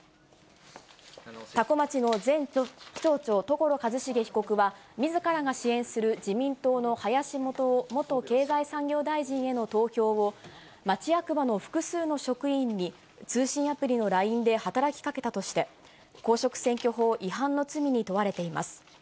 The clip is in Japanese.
多古町の前町長、所一重被告は、みずからが支援する自民党の林幹雄元経済産業大臣への投票を、町役場の複数の職員に、通信アプリのＬＩＮＥで働きかけたとして、公職選挙法違反の罪に問われています。